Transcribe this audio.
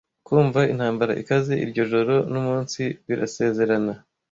kumva intambara ikaze iryo joro n'umunsi birasezerana